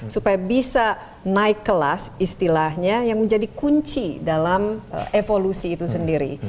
supaya bisa naik kelas istilahnya yang menjadi kunci dalam evolusi itu sendiri